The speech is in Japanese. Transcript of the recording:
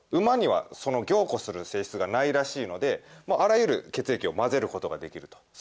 馬にはその凝固する性質がないらしいのでもうあらゆる血液を混ぜることができると。